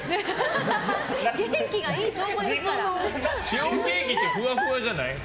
シフォンケーキってふわふわじゃない？